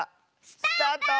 スタート！